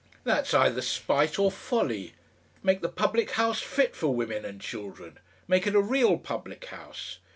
That's either spite or folly. Make the public house FIT for women and children. Make it a real public house.